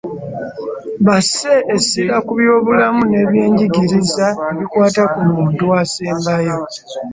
Basse essira ku by’Obulamu n’Ebyenjigiriza ebikwata ku muntu asembayo.